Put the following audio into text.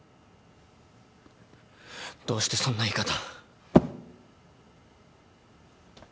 どうしてそんな言い方。